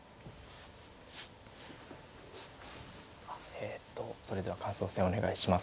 えとそれでは感想戦お願いします。